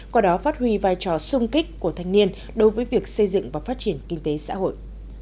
qua đó phát huy vai trò sung kích của thanh niên đối với việc xây dựng và phát triển kinh tế xã hội